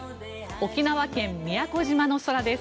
沖縄県・宮古島の空です。